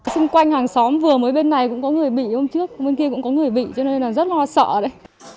xung quanh hàng xóm vừa mới bên này cũng có người bị hôm trước bên kia cũng có người bị cho nên là rất lo sợ đấy